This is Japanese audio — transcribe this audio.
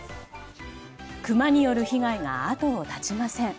クマによる被害が後を絶ちません。